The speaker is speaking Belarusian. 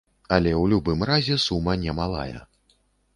Але ў любым разе сума не малая.